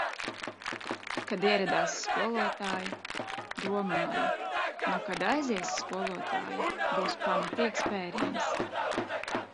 "Kad ieradās skolotāja, domāju "Nu, kad aizies skolotāja, būs pamatīgs pēriens"."